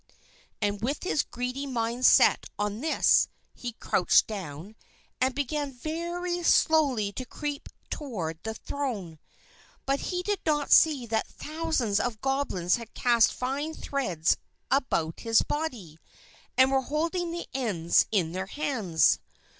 And with his greedy mind set on this, he crouched down, and began very slowly to creep toward the throne. But he did not see that thousands of Goblins had cast fine threads about his body, and were holding the ends in their hands.